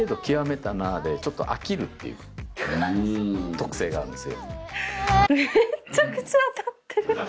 特性があるんですよ。